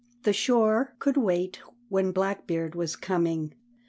The shore could wait when Blackbeard was coming.